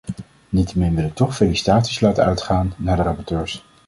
Niettemin wil ik toch felicitaties laten uitgaan naar de rapporteurs.